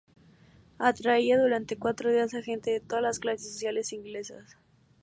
Atraía durante cuatro días a gente de todas las clases sociales inglesas.